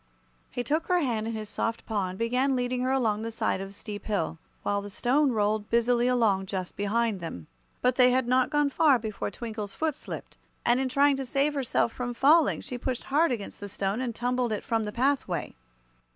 He took her hand in his soft paw and began leading her along the side of the steep hill, while the Stone rolled busily along just behind them. But they had not gone far before Twinkle's foot slipped, and in trying to save herself from falling she pushed hard against the Stone and tumbled it from the pathway.